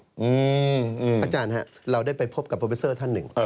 อาจารย์ครับเราได้ไปพบกับโปรดิวเซอร์ท่านหนึ่ง